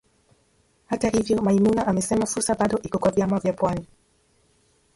Hata hivyo Maimuna amesema fursa bado iko kwa vyama vya pwani